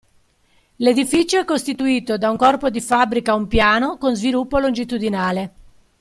L'edificio è costituito da un corpo di fabbrica a un piano con sviluppo longitudinale.